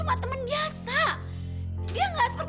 mas engga bisa liat sedikit